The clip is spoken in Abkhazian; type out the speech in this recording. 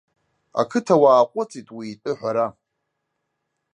Ақыҭауаа аҟәыҵт уи итәы аҳәара.